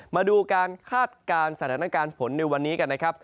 มาดูการคาดการณ์สถานการณ์ฝนในวันนี้กันนะครับ